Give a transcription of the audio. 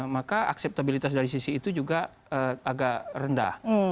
maka akseptabilitas dari sisi itu juga agak rendah